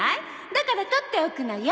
だから取っておくのよ。